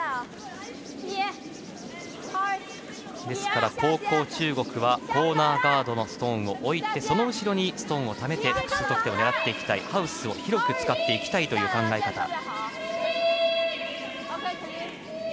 ですから後攻、中国はコーナーガードのストーンを置きその後ろにストーンをためて複数得点を狙いたいハウスを広く使っていきたい考え方。